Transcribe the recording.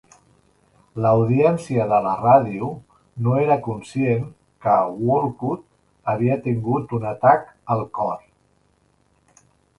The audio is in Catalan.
L'audiència de la ràdio no era conscient que Woollcott havia tingut un atac al cor.